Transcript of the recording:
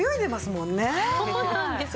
そうなんです。